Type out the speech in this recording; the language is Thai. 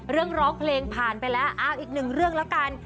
ร้องเพลงผ่านไปแล้วอ้าวอีกหนึ่งเรื่องแล้วกัน